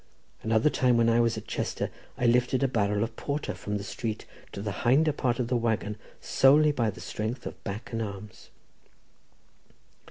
"Another time when I was at Chester I lifted a barrel of porter from the street to the hinder part of the waggon, solely by strength of back and arms."